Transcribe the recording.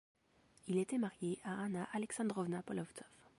Il était marié à Anna Alexandrovna Polovtsov.